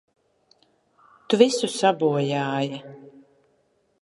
Tu visu sabojāji!